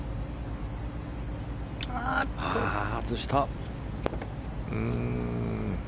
外した。